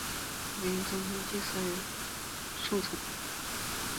他因为玄宗作祭祀词而得圣宠。